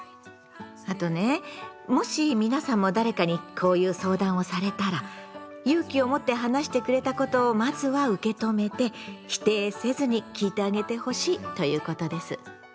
あとねもし皆さんも誰かにこういう相談をされたら勇気を持って話してくれたことをまずは受け止めて否定せずに聞いてあげてほしいということです。